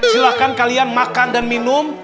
silahkan kalian makan dan minum